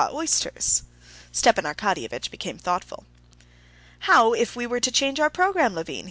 oysters." Stepan Arkadyevitch became thoughtful. "How if we were to change our program, Levin?"